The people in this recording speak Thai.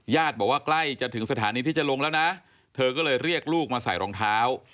บอกว่าใกล้จะถึงสถานีที่จะลงแล้วนะเธอก็เลยเรียกลูกมาใส่รองเท้า